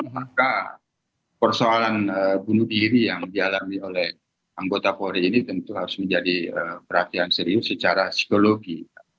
maka persoalan bunuh diri yang dialami oleh anggota polri ini tentu harus menjadi perhatian serius secara psikologi